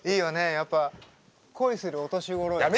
やっぱ恋するお年頃よね。